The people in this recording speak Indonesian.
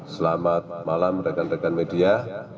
selamat malam rekan rekan media